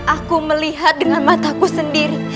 aku melihat dengan mataku sendiri